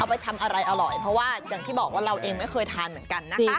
ไปทำอะไรอร่อยเพราะว่าอย่างที่บอกว่าเราเองไม่เคยทานเหมือนกันนะคะ